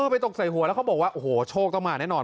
ไปตกใส่หัวแล้วเขาบอกว่าโอ้โหโชคต้องมาแน่นอน